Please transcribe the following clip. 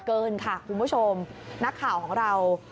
เกินค่ะคุณผู้ชมนักข่าวของเรา